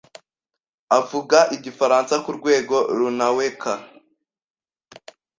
avuga igifaransa kurwego runaweka.